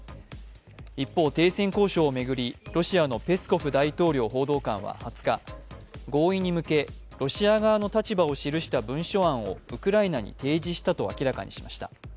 一方、停戦交渉を巡り、ロシアのペスコフ大統領報道官は２０日、合意に向けロシア側の立場を記した文書案をウクライナに提示したと明らかにしました。